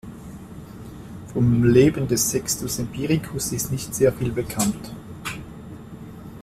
Vom Leben des Sextus Empiricus ist nicht sehr viel bekannt.